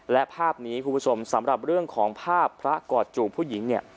และภาพนี้คุณผู้ชมสำหรับเรื่องของภาพพระกอดจูบผู้หญิงเนี่ย